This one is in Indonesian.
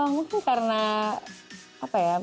mungkin karena apa ya